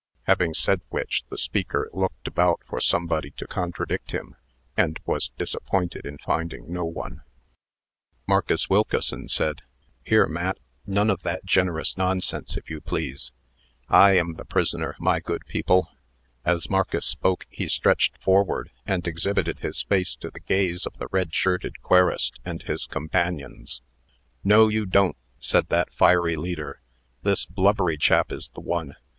Having said which, the speaker looked about for somebody to contradict him, and was disappointed in finding no one. Marcus Wilkeson said: "Here, Matt, none of that generous nonsense, if you please. I am the prisoner, my good people." As Marcus spoke, he stretched forward, and exhibited his face to the gaze of the red shirted querist and his companions. "No, you don't!" said that fiery leader. "This blubbery chap is the one.